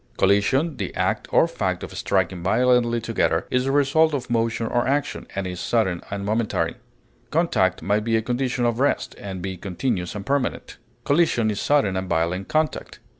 Collision, the act or fact of striking violently together, is the result of motion or action, and is sudden and momentary; contact may be a condition of rest, and be continuous and permanent; collision is sudden and violent contact.